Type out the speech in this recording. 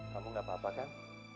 kamu gak apa apa kan